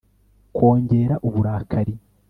kongera uburakari